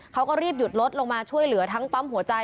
เขาก็รีบหยุดรถลงมาช่วยเหลือทั้งปั๊มหัวใจ